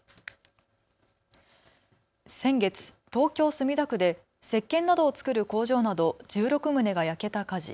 先月、東京墨田区でせっけんなどを作る工場など１６棟が焼けた火事。